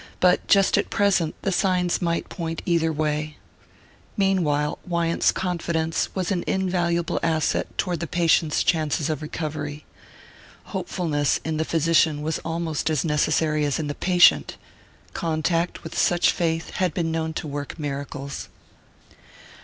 but just at present the signs might point either way.... Meanwhile Wyant's confidence was an invaluable asset toward the patient's chances of recovery. Hopefulness in the physician was almost as necessary as in the patient contact with such faith had been known to work miracles.